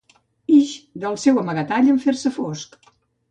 Ix del seu amagatall en fer-se fosc.